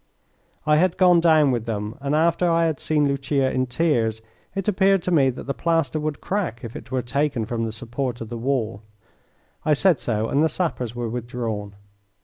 I had gone down with them, and after I had seen Lucia in tears it appeared to me that the plaster would crack if it were taken from the support of the wall. I said so, and the sappers were withdrawn.